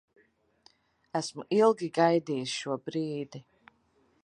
Esmu ilgi gaidījis šo brīdi.